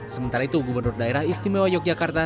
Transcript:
sementara itu gubernur daerah istimewa yogyakarta